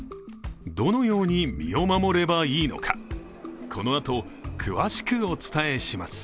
どのように身を守ればいいのかこのあと、詳しくお伝えします。